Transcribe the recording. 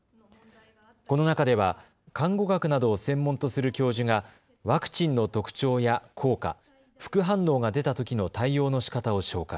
この中では看護学などを専門とする教授がワクチンの特徴や効果、副反応が出たときの対応のしかたを紹介。